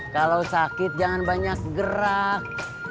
kalau sakit jangan banyak gerak